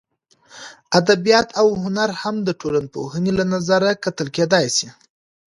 ادبیات او هنر هم د ټولنپوهنې له نظره کتل کېدای سي.